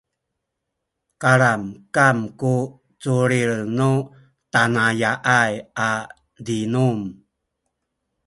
kalamkam ku culil nu tanaya’ay a zinum